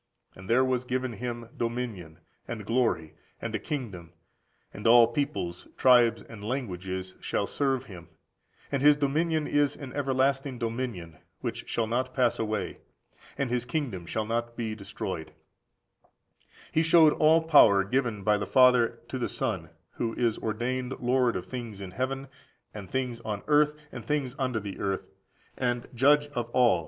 And there was given Him dominion, and glory, and a kingdom; and all peoples, tribes, and languages shall serve Him: and His dominion is an everlasting dominion, which shall not pass away, and His kingdom shall not be destroyed."14561456 Dan. vii. 13, 14. He showed all power given by the Father to the Son,14571457 Matt. xxviii. 18. who is ordained Lord of things in heaven, and things on earth, and things under the earth, and Judge of all:14581458 Phil. ii. 10.